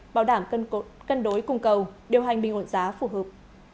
bảo đảm cân đối cung cầu điều hành bình ổn giá phù hợp